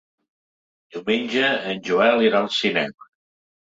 Diumenge en Joel irà al cinema.